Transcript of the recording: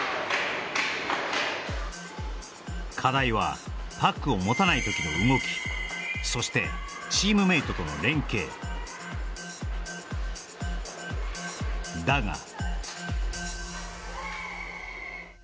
課題はパックを持たない時の動きそしてチームメイトとの連携だがああ